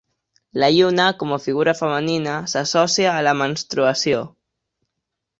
La lluna com a figura femenina s'associa a la menstruació.